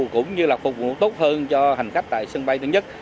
cũng như là phục vụ tốt hơn cho hành khách tại sân bay thứ nhất